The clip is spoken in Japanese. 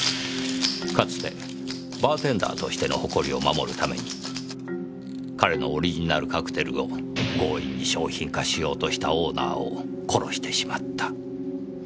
かつてバーテンダーとしての誇りを守るために彼のオリジナルカクテルを強引に商品化しようとしたオーナーを殺してしまった。